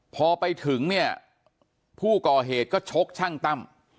พอไปถึงเนี่ยผู้ก่อเหตุก็ชกช่างตั้ม